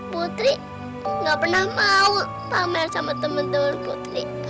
putri gak pernah mau pamer sama temen temen putri